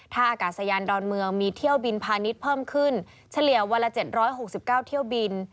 ถ้าอากาศยานดอนมือมีที่เที่ยวบินพานิษฐ์เพิ่มขึ้นเชลียวเวลา๗๖๙เที่ยวบิน